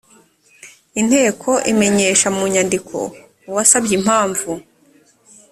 inteko imenyesha mu nyandiko uwasabye impamvu